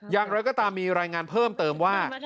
อย่างไรก็ตามมีรายงานเพิ่มเติมว่า